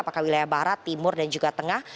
apakah wilayah barat timur dan juga tengah